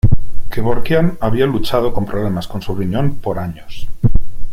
Kevorkian había luchado con problemas con su riñón por años.